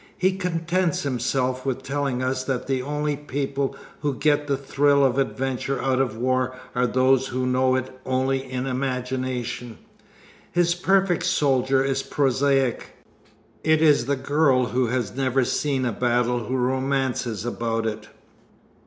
He contents himself with telling us that the only people who do get the thrill of adventure out of war are those who know it only in imagination. His perfect soldier is prosaic. It is the girl who has never seen a battle who romances about it.